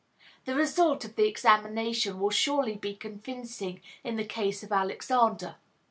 The result of the examination will surely be convincing in the case of Alexander.